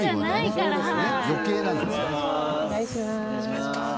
お願いします。